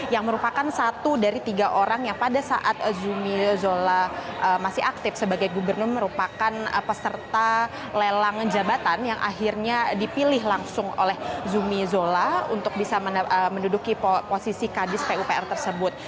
yang merupakan satu dari tiga orang yang pada saat zumi zola masih aktif sebagai gubernur merupakan peserta lelang jabatan yang akhirnya dipilih langsung oleh zumi zola untuk bisa menduduki posisi kadis pupr tersebut